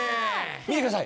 見てください。